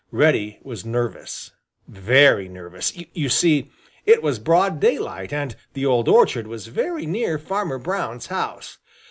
Reddy was nervous, very nervous. You see, it was broad daylight, and the old orchard was very near Farmer Brown's house.